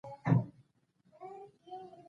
کړۍ، کړۍ صهبا شوم